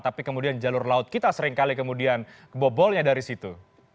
tapi kemudian jalur laut kita seringkali kemudian kebobolnya dari situ